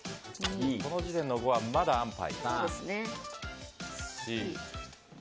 この時点の５はまだあんぱい。